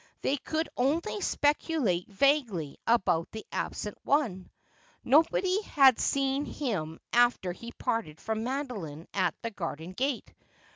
They could only specu late vaguely about the absent one. Nobody had seen him after he parted from Madoline at the garden gate.